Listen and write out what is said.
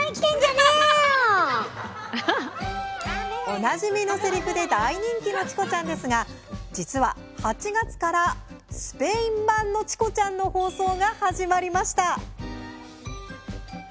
おなじみのせりふで大人気の「チコちゃん」ですが実は、８月からスペイン版の「チコちゃん」の放送が始まりました。